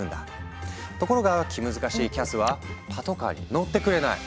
ところが気難しいキャスはパトカーに乗ってくれない。